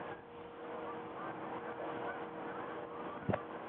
خو په تله د اعمالو کي ډېرې زياتي درنې دي